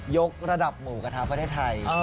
ยกระดับหมูกระทะเภอไต่